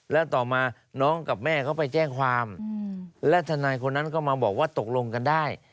แล้วต่อมาน้องกับแม่เขาไปแจ้งความและทนายคนนั้นก็มาบอกว่าตกลงกันได้